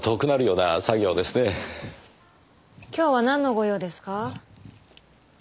今日はなんのご用ですか？